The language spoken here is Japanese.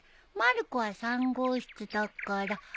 まる子は３号室だから。